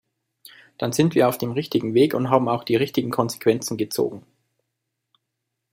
Dann sind wir auf dem richtigen Weg und haben auch die richtigen Konsequenzen gezogen.